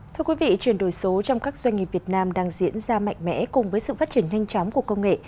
thưa quý vị chuyển đổi số trong các doanh nghiệp việt nam đang diễn ra mạnh mẽ cùng với sự phát triển nhanh chóng của công nghệ